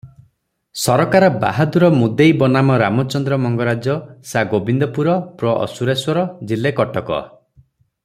ସରକାର ବାହାଦୂର ମୁଦେଇ ବନାମ ରାମଚନ୍ଦ୍ର ମଙ୍ଗରାଜ ସା ଗୋବିନ୍ଦପୁର ପ୍ର; ଅସୁରେଶ୍ୱର, ଜିଲେ କଟକ ।